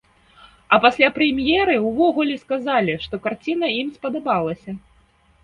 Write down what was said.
А пасля прэм'еры ўвогуле сказалі, што карціна ім спадабалася.